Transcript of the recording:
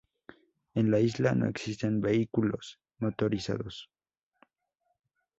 En la isla no existen vehículos motorizados.